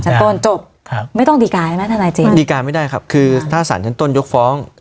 ชั้นต้นจบครับไม่ต้องดีการไหมท่านลายจริงไม่ได้ครับคือถ้าสารชั้นต้นยกฟ้อง